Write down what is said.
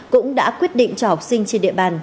cũng đã quyết định cho học sinh trên địa bàn